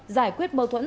giải quyết mâu thuẫn